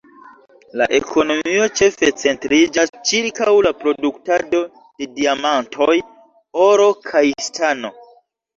La ekonomio ĉefe centriĝas ĉirkaŭ la produktado de diamantoj, oro kaj stano.